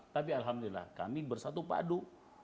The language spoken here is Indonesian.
tapi alhamdulillah kami bersatu padu